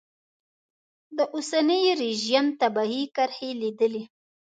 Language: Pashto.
د اوسني رژیم تباهي کرښې لیدلې.